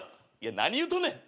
何言うとんねん！